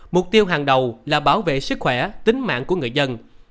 mục tiêu hàng đầu là bảo vệ sức khỏe tính mạng của người dân